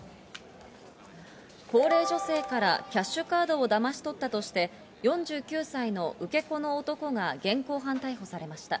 高齢女性からキャッシュカードをだまし取ったとして、４９歳の受け子の男が現行犯逮捕されました。